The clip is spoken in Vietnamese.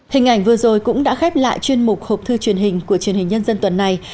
hình ảnh vừa rồi cũng đã khép lại chuyên mục hộp thư truyền hình của truyền hình nhân dân tuần này